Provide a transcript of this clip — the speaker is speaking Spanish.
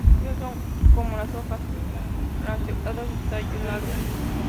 Estas son como las hojas lanceoladas de tallo largo.